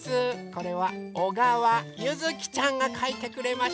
これはおがわゆずきちゃんがかいてくれました。